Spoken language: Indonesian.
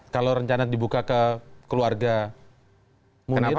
kalau rencana dibuka ke keluarga kenapa